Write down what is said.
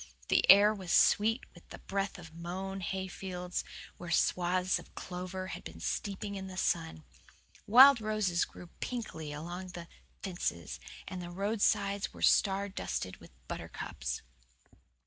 The air was sweet with the breath of mown hayfields where swaths of clover had been steeping in the sun. Wild roses grew pinkly along the fences, and the roadsides were star dusted with buttercups.